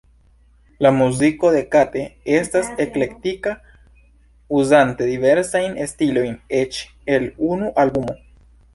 La muziko de Kate estas eklektika, uzante diversajn stilojn eĉ en unu albumo.